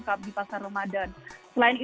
kita harus memasak sendiri